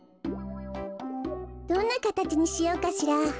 どんなかたちにしようかしら。